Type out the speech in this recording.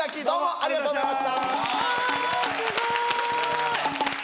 ありがとうございます。